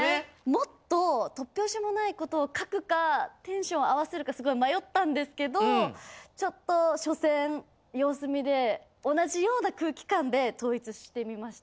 もっと突拍子もないことを書くかテンション合わせるかすごい迷ったんですけどちょっと初戦様子見で同じような空気感で統一してみました。